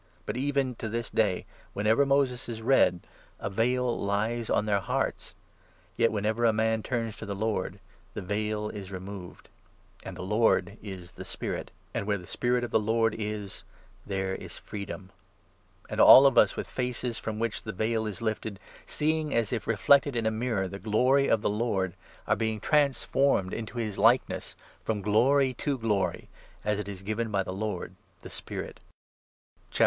But, even to this 15 day, whenever Moses is read, a Veil lies on their hearts. ' Yet, 16 whenever a man turns to the Lord, the veil is removed.' And 17 the ' Lord ' is the Spirit, and, where the Spirit of the Lord is, there is freedom. And all of us, with faces from which the veil 18 is lifted, seeing, as if reflected in a mirror, the glory of the Lord, are being transformed into his likeness, from glory to glory, as it is given by the Lord, the Spirit.